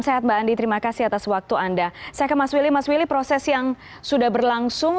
sehat mbak andi terima kasih atas waktu anda saya ke mas willy mas willy proses yang sudah berlangsung